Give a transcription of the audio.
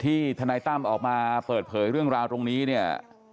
ทนายตั้มออกมาเปิดเผยเรื่องราวตรงนี้เนี่ย